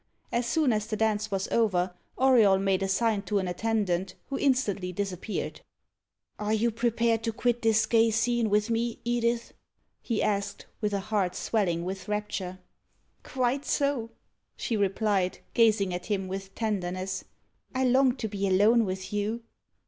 As soon as the dance was over, Auriol made a sign to an attendant, who instantly disappeared. "Are you prepared to quit this gay scene with me, Edith?" he asked, with a heart swelling with rapture. [Illustration: The significant whisper.] "Quite so," she replied, gazing at him with tenderness; "I long to be alone with you."